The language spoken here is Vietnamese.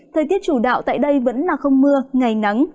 thời tiết chủ đạo tại đây vẫn là không mưa ngày nắng